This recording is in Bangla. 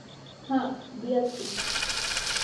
হাঁ, দিয়াছি।